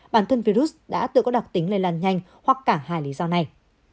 bản thân virus đã tự có đặc tính lây lan nhanh hoặc cả hai lý do này